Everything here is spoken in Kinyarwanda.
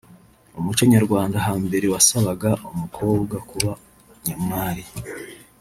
umuco nyarwanda hambere wasabaga umukobwa kuba nyamwari